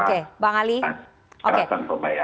oke bang halil